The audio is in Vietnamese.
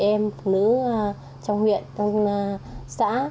em phụ nữ trong huyện trong xã